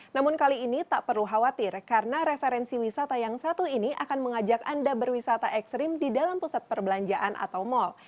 namun kali ini tak perlu khawatir karena referensi wisata yang satu ini akan mengajak anda berwisata ekstrim di dalam pusat perbelanjaan atau mal